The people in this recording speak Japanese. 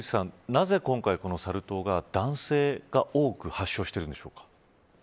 なぜ今回、このサル痘が男性が多く発症しているんでしょうか。